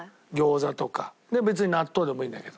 別に納豆でもいいんだけど。